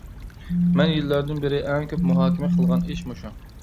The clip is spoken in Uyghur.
مەن يىللاردىن بىرى ئەڭ كۆپ مۇھاكىمە قىلغان ئىش مۇشۇ.